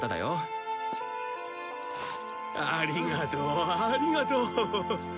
ありがとうありがとう。